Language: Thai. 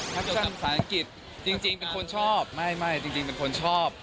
ฮักชั่นศาลังกิจจริงเป็นคนชอบไม่จริงเป็นคนชอบ